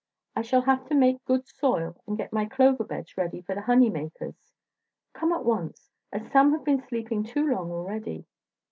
I shall have to make good soil and get my clover beds ready for the honey makers. Come at once, as some have been sleeping too long already.